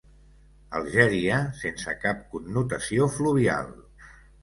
Algèria sense cap connotació fluvial.